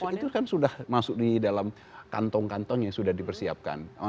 itu kan sudah masuk di dalam kantong kantong yang sudah dipersiapkan